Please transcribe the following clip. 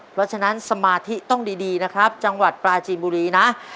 เพราะฉะนั้นสมาธิต้องดีนะครับจังหวัดปลาจีนบุรีนะ